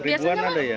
ribuan rumah ada ya